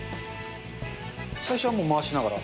最初はもう回しながら？